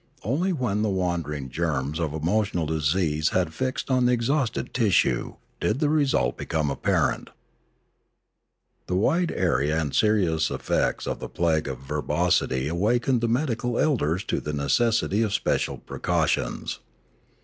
Only when the wandering germs of emotional disease had fixed on the exhausted tissue did the result become apparent. The wide area and serious effects of the plague of verbosity awakened the medical elders to the necessity 398 Limanora of special precautions.